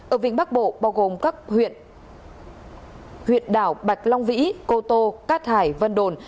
ở vịnh bắc bộ bao gồm các huyện đảo bạch long vĩ cô tô cát hải vân đồn